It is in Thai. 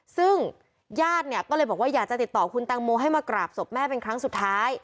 ซึ่งญาติเนี่ยก็เลยบอกว่าอยากจะติดต่อคุณแตงโมให้มากราบศพแม่เป็นครั้งสุดท้าย